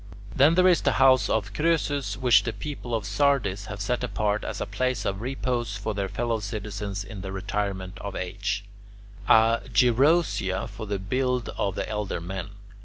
Then there is the house of Croesus which the people of Sardis have set apart as a place of repose for their fellow citizens in the retirement of age, a "Gerousia" for the guild of the elder men.